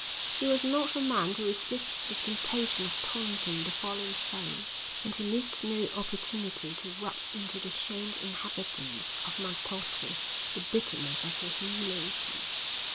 He was not a man to resist the temptation of taunting the fallen foe, and he missed no opportunity to rub into the shamed inhabitants of Matautu the bitterness of their humiliation.